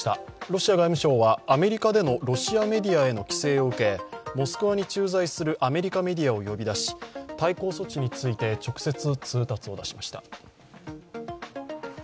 ロシア外務省はアメリカでのロシアメディアへの規制を受けモスクワに駐在するアメリカメディアを呼び出し、対抗措置について直接通達を出しました。